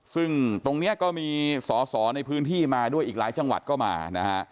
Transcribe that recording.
ซึ่งตรงนี้ก็มีสอสอในพื้นที่มาด้วยอีกหลายจังหวัดก็มานะฮะ